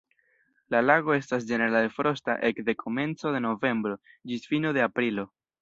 La lago estas ĝenerale frosta ekde komenco de novembro ĝis fino de aprilo.